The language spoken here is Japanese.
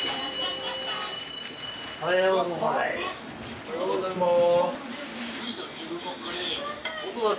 ・おはようございます。